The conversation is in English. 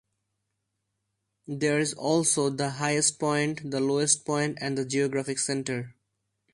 There is also the highest point, the lowest point, and the geographic center.